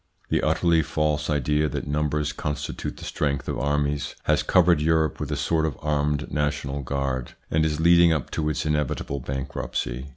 The utterly false idea that numbers constitute the strength of armies has covered Europe with a sort of armed national guard, and is leading up to its inevitable bankruptcy.